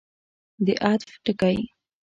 د عطف ټکی.